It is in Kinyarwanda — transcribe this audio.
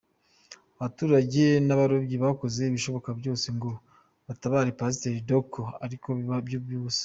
Abaturage n’abarobyi bakoze ibishoboka byose ngo batabare Pasiteri Docho ariko biba iby’ubusa.